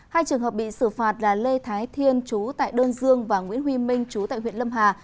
hai trường hợp bị xử phạt là lê thái thiên chú tại đơn dương và nguyễn huy minh chú tại huyện lâm hà